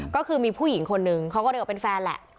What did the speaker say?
ก็คือมีผู้หญิงคนนึงเขาก็เรียกว่าเป็นแฟนแหละ